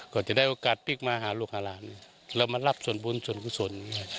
ก็จะได้โอกาสพลิกมาหาลูกหาหลานเรามารับส่วนบุญส่วนกุศล